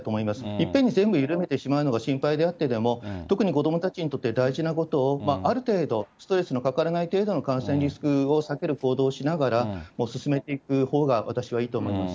いっぺんに全部緩めてしまうのが心配であってでも、特に子どもたちにとって大事なことを、ストレスのかからない感染リスクを避ける行動をしながら、進めていくほうが私はいいと思います。